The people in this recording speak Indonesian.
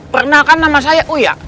perkenalkan nama saya uya